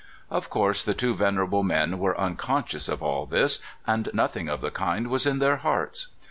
Of course the two venerable men were unconscious of all this, and nothing of the kind was in their hearts.